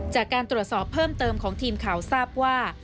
จากการตรวจสอบเพิ่มเติมของทีมข่าวทราบว่า